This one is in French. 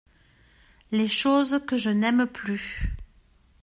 Les choses que je n’aime plus.